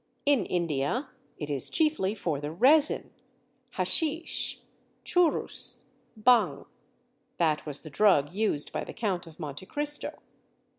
In India it is chiefly for the resin, "haschisch, churrus, bhang." (That was the drug used by the Count of Monte Cristo.)